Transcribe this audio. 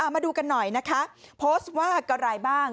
มาดูกันหน่อยนะคะโพสต์ว่ากะไรบ้าง